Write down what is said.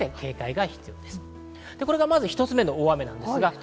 これが一つ目の大雨です。